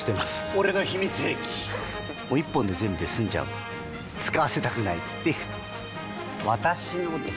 俺の秘密兵器１本で全部済んじゃう使わせたくないっていう私のです！